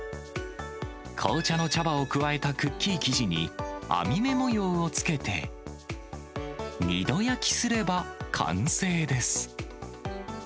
紅茶の茶葉を加えたクッキー生地に網目模様をつけて、２度焼きすれば完成です。